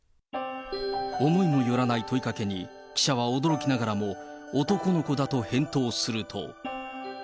思いもよらない問いかけに、記者は驚きながらも、男の子だと返答すると。